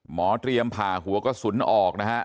หมอเตรียมผ่าหัวกระสุนออกนะฮะ